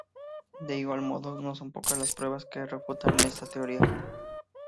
De igual modo, no son pocas las pruebas que refutan está teoría.